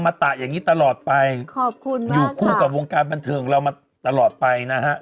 ตะอย่างงี้ตลอดไปขอบคุณอยู่คู่กับวงการบันเทิงของเรามาตลอดไปนะฮะ